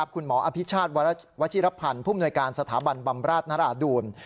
คุณหมออภิชาติวชิรพันธ์ผู้มนวยการสถาบันบำราชนราดูล